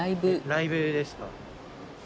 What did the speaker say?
ライブです。